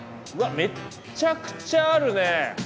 めちゃくちゃあるね！